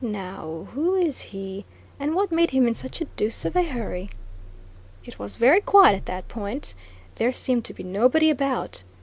Now, who is he? And what made him in such a deuce of a hurry?" It was very quiet at that point. There seemed to be nobody about.